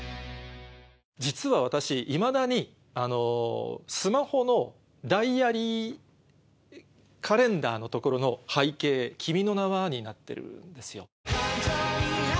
実は私いまだにスマホのダイアリーカレンダーの所の背景『君の名は。』になってるんですよ。